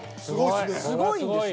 すごいんですよ。